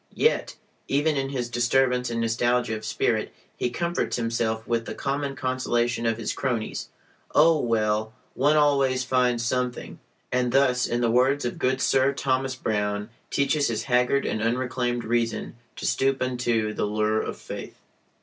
Yet, even in his disturbance and nostalgia of spirit, he comforts himself with the common consolation of his cronies "Oh, well, one always finds something" and thus (in the words of good Sir Thomas Browne) teaches his haggard and unreclaimed reason to stoop unto the lure of Faith.